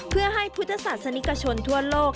เพื่อให้พุทธศาสนิกชนทั่วโลก